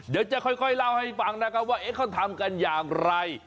เดี๋ยวจะค่อยเล่าให้ฟังนะครับว่าเขาทำกันอย่างไร